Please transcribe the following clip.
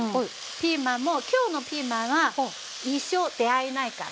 ピーマンも今日のピーマンは一生出会えないから。